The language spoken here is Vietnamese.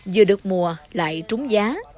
vừa được mùa lại trúng giá